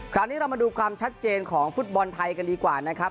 คราวนี้เรามาดูความชัดเจนของฟุตบอลไทยกันดีกว่านะครับ